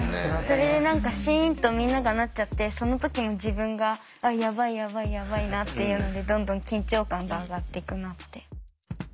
それで何かシンとみんながなっちゃってその時に自分がやばいやばいやばいなっていうのでどんどん緊張感が上がっていくなって。